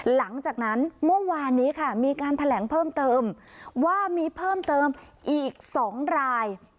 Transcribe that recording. หลังจากนั้นเมื่อวานนี้ค่ะมีการแถลงเพิ่มเติมว่ามีเพิ่มเติมอีก๒ราย